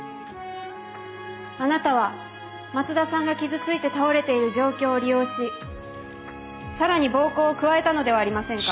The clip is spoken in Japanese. あなたは松田さんが傷ついて倒れている状況を利用し更に暴行を加えたのではありませんか？